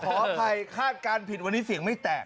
ขออภัยคาดการณ์ผิดวันนี้เสียงไม่แตก